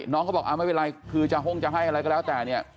น้องเขาบอกไม่เป็นไรคือจะห้งจะให้อะไรก็แล้วแต่เนี่ย